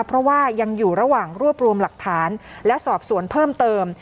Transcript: เพราะว่ายังอยู่ระหว่างรวบรวมหลักฐานและสอบสวนเพิ่มเติม